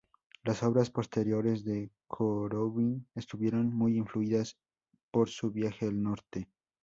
Las obras posteriores de Korovin estuvieron muy influidas por su viaje al Norte.